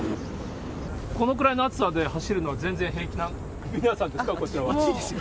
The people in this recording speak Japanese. このくらいの暑さで走るのは全然平気な皆暑いですよ。